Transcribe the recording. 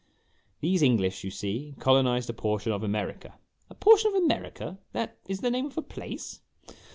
"These English, you see, colonized a portion of America "" A portion of America that is the name of a place